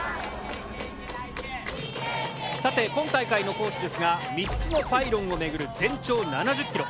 さて今大会のコースですが３つのパイロンを巡る全長７０ｋｍ。